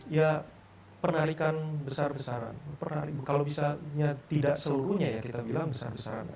ya penalikan besar besaran kalau misalnya tidak seluruhnya ya kita bilang besar besaran